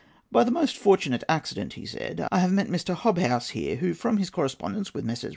"By the most fortunate accident," he said, "I have met Mr. Hobhouse here, who, from his correspondence with Messrs.